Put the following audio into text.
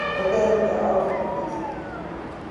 Wêr kin ik de auto kwyt?